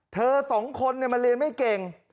สองคนมันเรียนไม่เก่ง